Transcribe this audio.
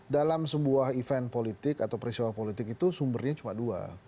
dalam sebuah event politik atau peristiwa politik itu sumbernya cuma dua